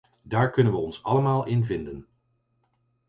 Daar kunnen we ons allemaal in vinden.